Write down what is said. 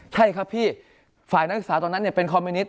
ใช่ครับพี่ฝ่ายนักศึกษาตอนนั้นเป็นคอมมิวนิต